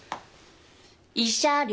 慰謝料。